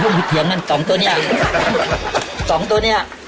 ที่เถียงกันสองตัวเนี้ยสองตัวเนี้ย